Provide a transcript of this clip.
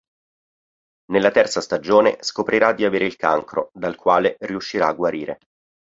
Nella terza stagione scoprirà di avere il cancro dal quale riuscirà a guarire.